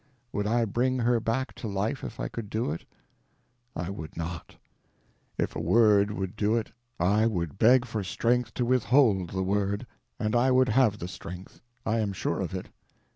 Would I bring her back to life if I could do it? I would not. If a word would do it, I would beg for strength to withhold the word. And I would have the strength; I am sure of it.